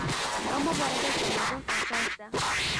دا مبارزه د تمدن اساس ده.